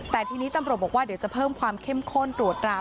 แต่ทีนี้ตำรวจบอกว่าเดี๋ยวจะเพิ่มความเข้มข้นตรวจรา